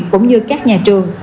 cũng như các nhà trường